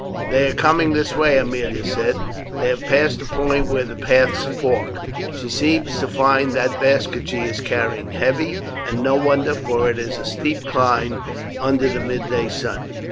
"They are coming this way," Aemilia said; "they have passed the point where the paths fork. She seems to find that basket she is carrying heavy, and no wonder, for it is a steep climb under the midday sun."